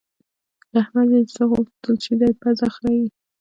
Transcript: له احمده چې څه وغوښتل شي؛ دی پزه خرېي.